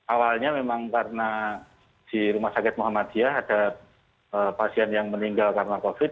awalnya memang karena di rumah sakit muhammadiyah ada pasien yang meninggal karena covid